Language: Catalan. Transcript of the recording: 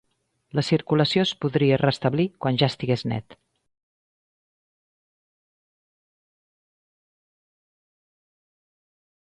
La circulació es podria restablir quan ja estigués net.